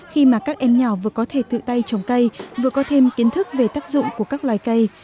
khi mà các em nhỏ vừa có thể tự tay trồng cây vừa có thêm kiến thức về tác dụng của các loài cây